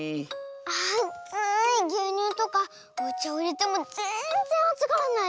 あついぎゅうにゅうとかおちゃをいれてもぜんぜんあつがらないし。